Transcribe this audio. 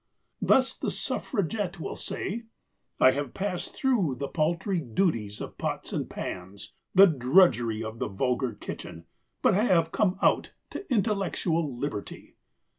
Thus the Suffragette will say, "I have passed through the paltry duties of pots and pans, the drudgery of the vulgar kitchen; but I have come out to intellectual liberty."